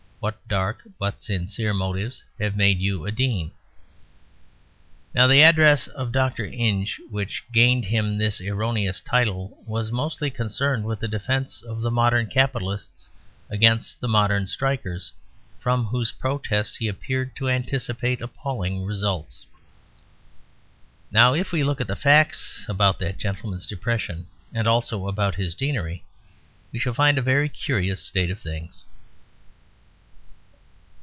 What dark but sincere motives have made you a Dean. Now the address of Dr. Inge which gained him this erroneous title was mostly concerned with a defence of the modern capitalists against the modern strikers, from whose protest he appeared to anticipate appalling results. Now if we look at the facts about that gentleman's depression and also about his Deanery, we shall find a very curious state of things.